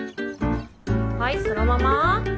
はいそのまま。